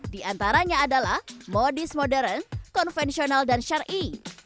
di antaranya adalah modis modern konvensional dan syarii